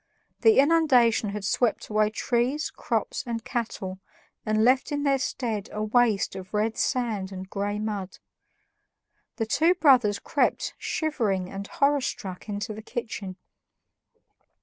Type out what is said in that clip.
The inundation had swept away trees, crops, and cattle, and left in their stead a waste of red sand and gray mud. The two brothers crept shivering and horror struck into the kitchen.